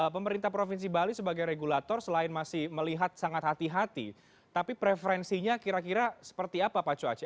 pemerintah provinsi bali sebagai regulator selain masih melihat sangat hati hati tapi preferensinya kira kira seperti apa pak cuace